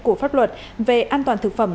của pháp luật về an toàn thực phẩm